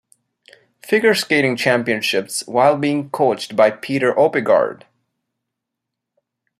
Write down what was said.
Figure Skating Championships while being coached by Peter Oppegard.